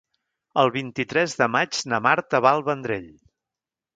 El vint-i-tres de maig na Marta va al Vendrell.